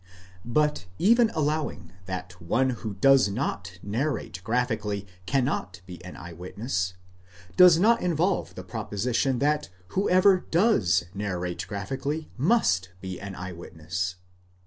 But, even allowing that one who does not narrate graphically cannot be an eye witness, this does not involve the propo sition that whoever does narrate graphically must be an eye witness.